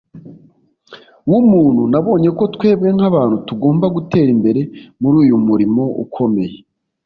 w'umuntu. nabonye ko twebwe nk'abantu tugomba gutera imbere muri uyu murimo ukomeye